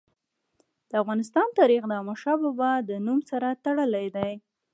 د افغانستان تاریخ د احمد شاه بابا د نوم سره تړلی دی.